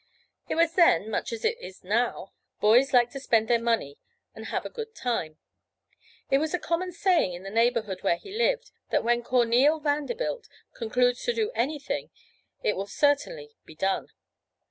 It was then, much as it is now, boys liked to spend their money and have a good time. It was a common saying in the neighborhood where he lived, 'that when Corneel. Vanderbilt concludes to do anything it will certainly be done.'